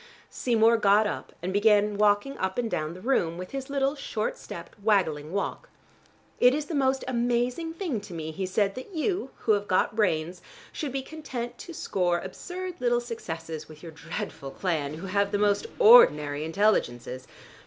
Seymour got up and began walking up and down the room with his little short stepped, waggling walk. "It is the most amazing thing to me," he said, "that you, who have got brains, should be content to score absurd little successes with your dreadful clan, who have the most ordinary intelligences.